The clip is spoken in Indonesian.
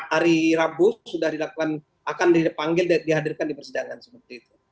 hari rabu sudah dilakukan akan dipanggil dan dihadirkan di persidangan seperti itu